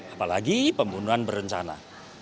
apalagi pembunuhan berencana